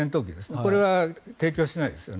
これは提供しないですよね。